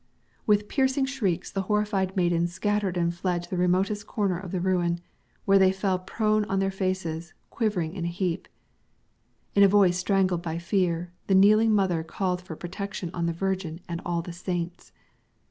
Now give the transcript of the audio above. With piercing shrieks the horrified maidens scattered and fled to the remotest corner of the ruin, where they fell prone on their faces, quivering in a heap. In a voice strangled by fear, the kneeling mother called for protection on the Virgin and all the saints!